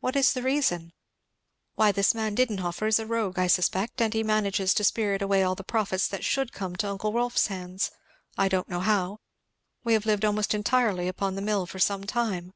"What is the reason?" "Why this man Didenhover is a rogue I suspect, and he manages to spirit away all the profits that should come to uncle Rolf's hands I don't know how. We have lived almost entirely upon the mill for some time."